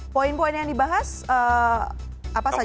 poin poin yang dibahas apa saja